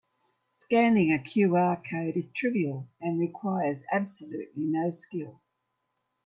Scanning a QR code is trivial and requires absolutely no skill.